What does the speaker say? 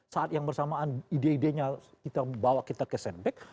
saat yang bersamaan ide idenya bawa kita ke sendbek